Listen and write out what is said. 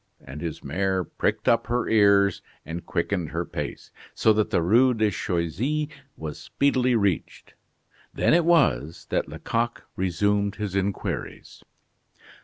and his mare pricked up her ears and quickened her pace, so that the Rue de Choisy was speedily reached. Then it was that Lecoq resumed his inquiries.